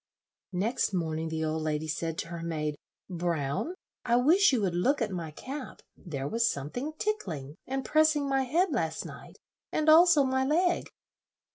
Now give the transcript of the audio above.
Next morning the old lady said to her maid, "Brown, I wish you would look at my cap; there was something tickling and pressing my head last night, and also my leg."